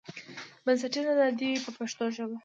بنسټیزه ازادي وي په پښتو ژبه.